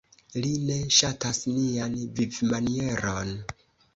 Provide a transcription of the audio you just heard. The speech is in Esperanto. Li ne ŝatas nian vivmanieron.